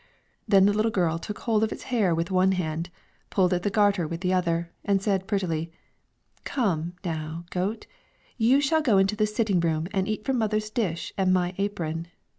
Then the little girl took hold of its hair with one hand, pulled at the garter with the other, and said prettily: "Come, now, goat, you shall go into the sitting room and eat from mother's dish and my apron."